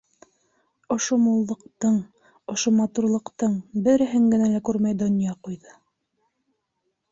Ошо муллыҡтың, ошо матурлыҡтың береһен генә лә күрмәй донъя ҡуйҙы.